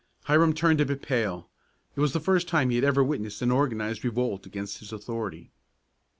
Hiram turned a bit pale. It was the first time he had ever witnessed an organized revolt against his authority.